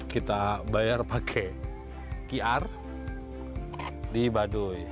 kita bayar pakai qr di baduy